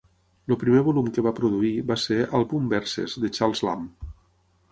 El primer volum que va produir va ser "Album Verses" de Charles Lamb.